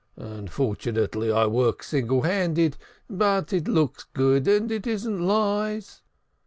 Unfortunately I work single handed, but it looks good and it isn't lies.